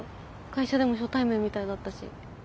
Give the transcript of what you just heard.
会社でも初対面みたいだったし。